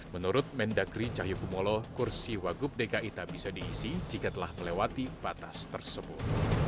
menurut mendakri cahyukumolo kursi wagup dki tak bisa diisi jika telah melewati batas tersebut